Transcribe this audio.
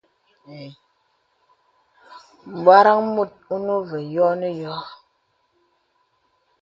M̀bwarəŋ mùt ɔ̀nə nə vyɔ̀ a nyɔ̀.